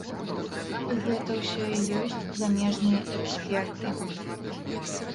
Гэта ўсё і ёсць замежныя эксперты.